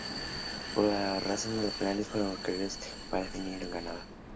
Por esta razón, los penales fueron requeridos para definir al ganador.